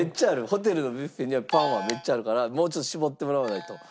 ホテルのビュッフェにはパンはめっちゃあるからもうちょっと絞ってもらわないと。